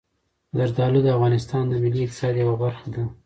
زردالو د افغانستان د ملي اقتصاد یوه برخه ده.